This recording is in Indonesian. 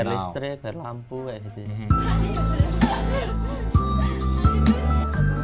iya biaya listrik biaya lampu kayak gitu ya